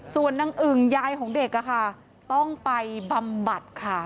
ส่วนนางอึ่งยายของเด็กต้องไปบำบัดค่ะ